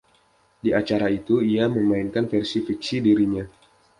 Di acara itu, ia memainkan versi fiksi dirinya.